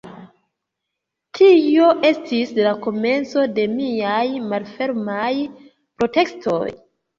Tio estis la komenco de miaj malfermaj protestoj.